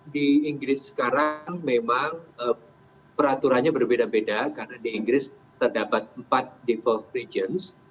di inggris sekarang memang peraturannya berbeda beda karena di inggris terdapat empat default region